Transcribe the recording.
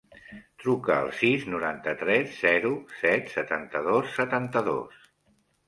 Truca al sis, noranta-tres, zero, set, setanta-dos, setanta-dos.